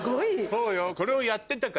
そうよ。